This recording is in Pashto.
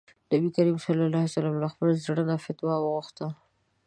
نبي کريم ص له خپل زړه نه فتوا وغوښته.